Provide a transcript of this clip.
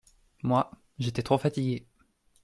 Moi, j’étais trop fatigué.